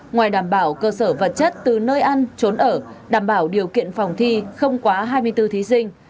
ngoài đảm bảo cơ sở vật chất từ nơi ăn trốn ở đảm bảo điều kiện phòng thi không quá hai mươi bốn thí sinh